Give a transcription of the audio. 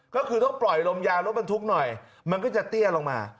ก็คือต้องปล่อยลมยาวรถบรรทุกหน่อยมันก็จะเตี้ยลงมา